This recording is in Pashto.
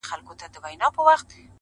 څنگه دې هر صفت پر گوتو باندې وليکمه-